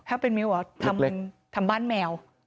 ถ้าเป็นมิวอ่ะทำบ้านแมว